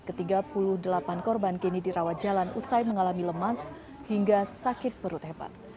ketiga puluh delapan korban kini dirawat jalan usai mengalami lemas hingga sakit perut hebat